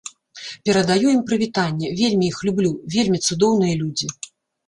Перадаю ім прывітанне, вельмі іх люблю, вельмі цудоўныя людзі.